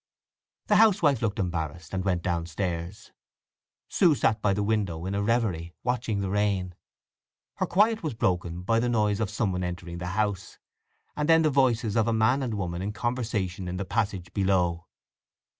The housewife looked embarrassed, and went downstairs. Sue sat by the window in a reverie, watching the rain. Her quiet was broken by the noise of someone entering the house, and then the voices of a man and woman in conversation in the passage below.